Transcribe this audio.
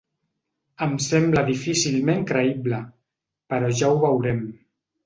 Em sembla difícilment creïble, però ja ho veurem.